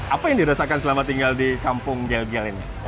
apa yang dirasakan selama tinggal di kampung gel gel ini